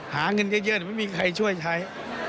หาเงินเยอะแต่ไม่มีใครช่วยใช้